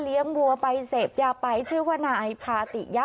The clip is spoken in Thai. เลี้ยงวัวไปเสพยาไปชื่อว่าหน่ายพาติยะ